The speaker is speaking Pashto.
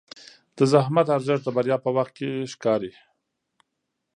د زحمت ارزښت د بریا په وخت ښکاري.